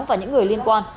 và những người liên quan